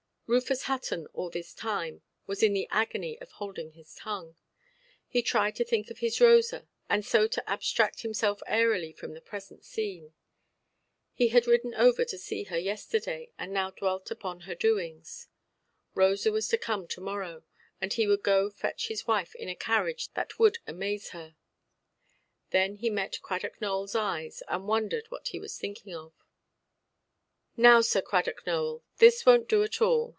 Rufus Hutton, all this time, was in the agony of holding his tongue. He tried to think of his Rosa, and so to abstract himself airily from the present scene. He had ridden over to see her yesterday, and now dwelt upon their doings. Rosa was to come to–morrow, and he would go to fetch his wife in a carriage that would amaze her. Then he met Cradock Nowellʼs eyes, and wondered what he was thinking of. "Now, Sir Cradock Nowell, this wonʼt do at all.